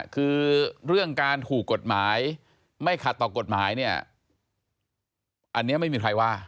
คือเรื่องการถูกกฎหมายไม่ขัดต่อกฎหมายเนี่ยอันนี้ไม่มีใครว่า